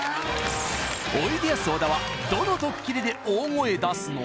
おいでやす小田はどのドッキリで大声出すの？